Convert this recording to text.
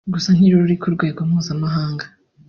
gusa ntiruri ku rwego mpuzamahanga